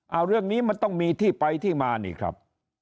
เอาเรื่องนี้มันต้องมีที่ไปที่มานี่ครับ